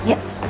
sini bu bos